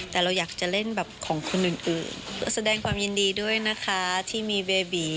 แต่เราอยากจะเล่นแบบของคนอื่นก็แสดงความยินดีด้วยนะคะที่มีเบบี